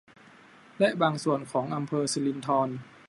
และบางส่วนของอำเภอสิรินธร